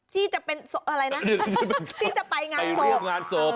ที่จะไปงานศพ